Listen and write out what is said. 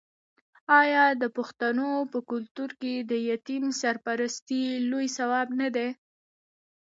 آیا د پښتنو په کلتور کې د یتیم سرپرستي لوی ثواب نه دی؟